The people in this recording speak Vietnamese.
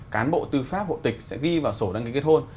cán bộ tư pháp hộ tịch sẽ ghi vào sổ đăng ký kết hôn